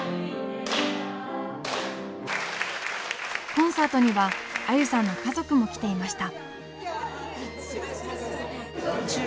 コンサートには愛友さんの家族も来ていました。